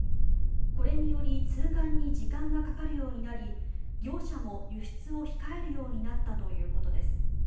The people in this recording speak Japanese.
これにより通関に時間がかかるようになり業者も輸出を控えるようになったということです。